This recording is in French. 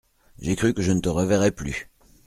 J’ai cru que je ne te reverrais plus !…